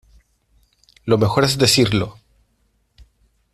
lo mejor es decirlo.